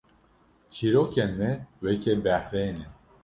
Çîrokên me weke behrê ne